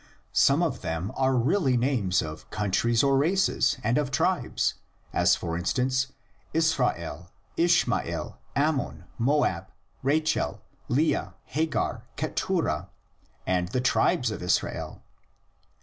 Some of them are really names of countries, or races, and of tribes, as for instance, Israel, Ishmael, Ammon, Moab, Rachel, Leah, Hagar, Keturah, and the tribes of Israel.